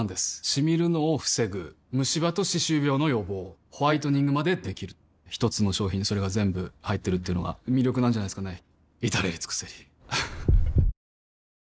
シミるのを防ぐムシ歯と歯周病の予防ホワイトニングまで出来る一つの商品にそれが全部入ってるっていうのが魅力なんじゃないですかね